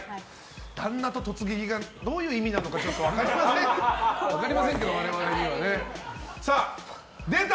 旦那と突撃がどういう意味なのかちょっと分かりませんけど我々にはね。出た！